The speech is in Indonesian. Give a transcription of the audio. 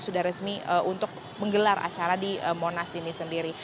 sudah resmi untuk menggelar acara di monas ini sendiri